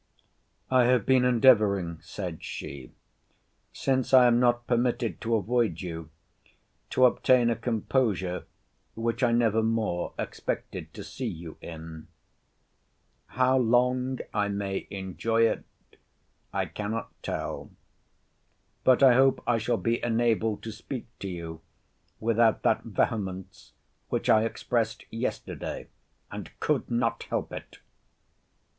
I have been endeavouring, said she, since I am not permitted to avoid you, to obtain a composure which I never more expected to see you in. How long I may enjoy it, I cannot tell. But I hope I shall be enabled to speak to you without that vehemence which I expressed yesterday, and could not help it.